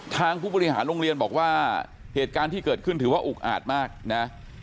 ผู้บริหารโรงเรียนบอกว่าเหตุการณ์ที่เกิดขึ้นถือว่าอุกอาจมากนะ